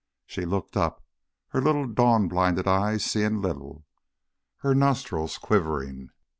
She looked up, her little dawn blinded eyes seeing little, her nostrils quivering.